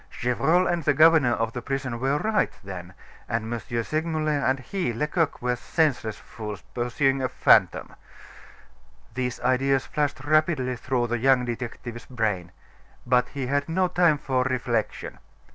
Gevrol and the governor of the prison were right, then, and M. Segmuller and he, Lecoq, were senseless fools, pursuing a fantom. These ideas flashed rapidly through the young detective's brain. But he had no time for reflection.